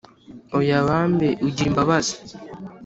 Oya bambe ugira imbabazi